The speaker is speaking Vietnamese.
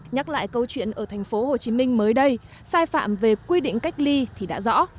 nhắc lại câu chuyện ở thành phố hồ chí minh mới đây sai phạm về quy định cách ly thì đã rõ